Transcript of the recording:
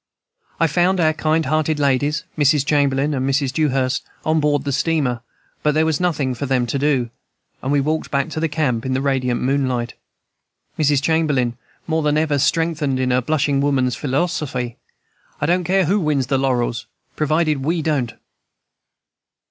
"I found our kind hearted ladies, Mrs. Chamberlin and Mrs. Dewhurst, on board the steamer, but there was nothing for them to do, and we walked back to camp in the radiant moonlight; Mrs. Chamberlin more than ever strengthened in her blushing woman's philosophy, 'I don't care who wins the laurels, provided we don't!'"